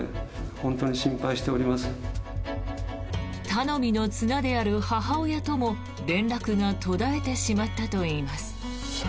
頼みの綱である母親とも連絡が途絶えてしまったといいます。